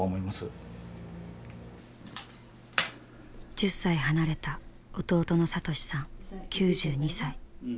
１０歳離れた弟の敏さん９２歳。